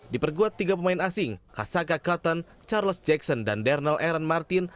di perguat tiga pemain asing kasaka cotton charles jackson dan dernal aaron martin